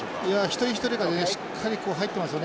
一人一人がねしっかり入ってますよね。